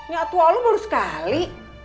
ya tuhan lu baru sekali